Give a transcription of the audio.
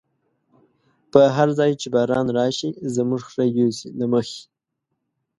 په هر ځای چی باران راشی، زموږ خره يوسی له مخی